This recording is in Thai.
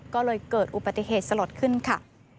ก็เลยเกิดอุบัติเหตุสลดขึ้นค่ะ